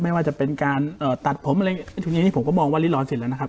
ไม่ว่าจะเป็นการเอ่อตัดผมอะไรอย่างงี้ทุกอย่างงี้ผมก็มองว่าลิลรสินแล้วนะครับ